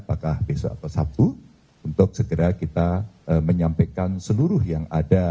apakah besok atau sabtu untuk segera kita menyampaikan seluruh yang ada